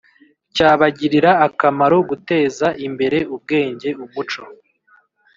cyabagirira akamaro gutezaimbere ubwenge umuco